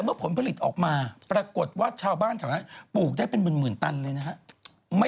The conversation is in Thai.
เฮ้ยปลูกเถอะปลูกกล้วยเถอะ